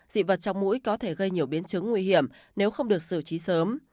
dị vật trong mũi có thể gây nhiều biến chứng nguy hiểm nếu không được xử trí sớm